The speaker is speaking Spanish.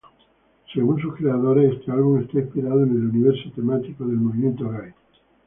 Según sus creadores, este álbum está inspirado en el universo temático del movimiento Gay.